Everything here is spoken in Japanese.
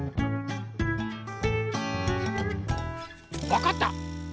わかった！